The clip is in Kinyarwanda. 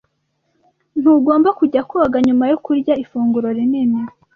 Ntugomba kujya koga nyuma yo kurya ifunguro rinini.